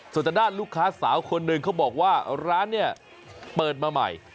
ส่วนด้านลูกค้าสาวคนหนึ่งเขาบอกว่าร้านเนี่ยเปิดมาใหม่